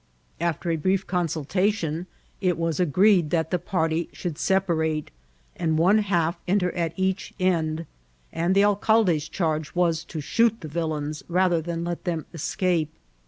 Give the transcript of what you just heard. After a brief consultation, it was agreed that the party should separate, and one half enter at each end ; and the alcalde's charge was to shoot the villains rather than let them escape.